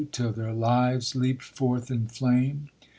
till their lives leaped forth in lame?